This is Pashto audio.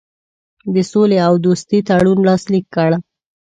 د سولي او دوستي تړون لاسلیک کړ.